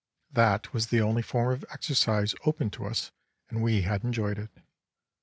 That was the only form of exercise open to us, and we had enjoyed it.